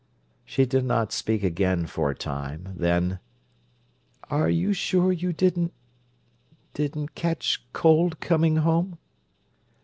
She did not speak again for a time; then, "Are you sure you didn't—didn't catch cold coming home?"